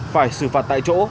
phải xử phạt tại chỗ